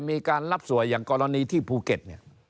มีการรับสวยอย่างกรณีที่ภูเก็ตเนี่ย